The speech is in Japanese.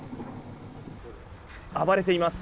暴れています。